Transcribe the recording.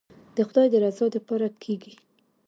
د خداى د رضا دپاره کېګي.